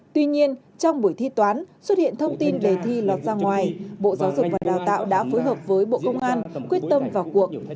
tuy nhiên trong buổi thi toán xuất hiện thông tin đề thi lọt ra ngoài bộ giáo dục và đào tạo đã phối hợp với bộ công an quyết tâm vào cuộc